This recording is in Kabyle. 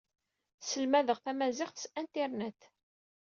Sselmadeɣ tamaziɣt s Internet.